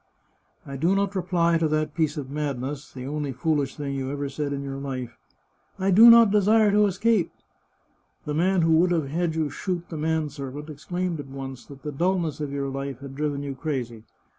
" I do not reply to that piece of madness, the only foolish thing you ever said in your life, * I do not desire to escape.' The man who would have had you shoot the man servant exclaimed at once that the dulness of your life had driven you crazy.